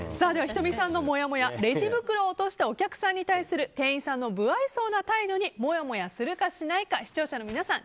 仁美さんのもやもやレジ袋を落としたお客さんに対する店員さんの無愛想な態度にもやもやするか、しないか視聴者の皆さん